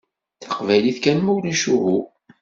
D taqbaylit kan mulac uhu!